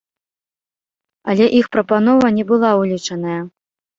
Але іх прапанова не была ўлічаная.